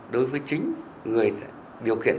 đối với chính người điều khiển